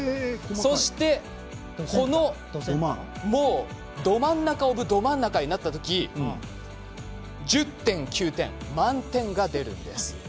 そして、このど真ん中オブど真ん中になったとき１０．９点の満点が出るんです。